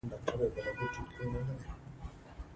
ازادي راډیو د اټومي انرژي په اړه د کارګرانو تجربې بیان کړي.